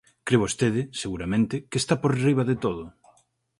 Cre vostede, seguramente, que está por enriba de todo.